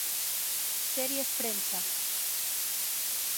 Series prensa